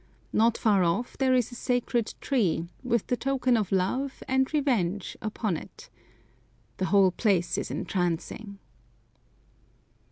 Not far off there is a sacred tree, with the token of love and revenge upon it. The whole place is entrancing.